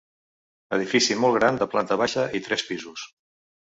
Edifici molt gran de planta baixa i tres pisos.